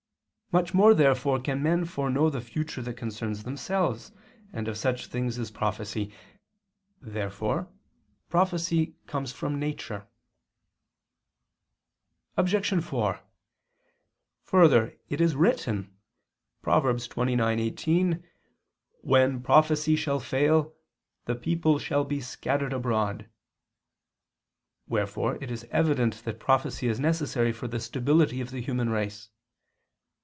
Much more therefore can men foreknow the future that concerns themselves, and of such things is prophecy. Therefore prophecy comes from nature. Obj. 4: Further, it is written (Prov. 29:18): "When prophecy shall fail, the people shall be scattered abroad"; wherefore it is evident that prophecy is necessary for the stability of the human race.